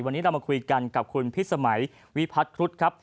วันนี้เรามาคุยกันกับคุณพิษสมัยวิพัฒนครุฑครับ